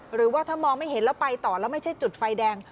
หรือว่าถ้ามองไม่เห็นแล้วไปต่อแล้วไม่ใช่จุดไฟแดง